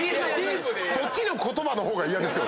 そっちの言葉の方が嫌ですよ。